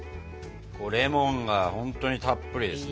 レモンがほんとにたっぷりですね。